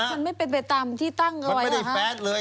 มันไม่เป็นไปตามที่ตั้งเลย